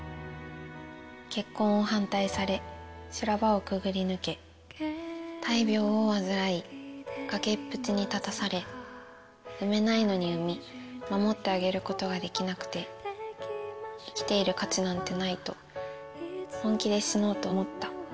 結婚を反対され、修羅場をくぐり抜け、大病を患い、崖っぷちに立たされ、産めないのに産み、守ってあげることができなくて、生きている価値なんてないと、本気で死のうと思った。